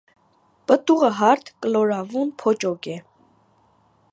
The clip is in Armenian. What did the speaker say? Պտուղը՝ հարթ, կլորավուն փոճոկ է։